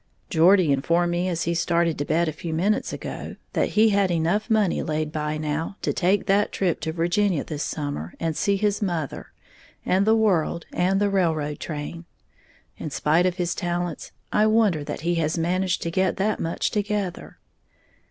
Geordie informed me as he started to bed a few minutes ago that he had enough money laid by now to take that trip to Virginia this summer and see his mother and the world and the railroad train. In spite of his talents, I wonder that he has managed to get that much together.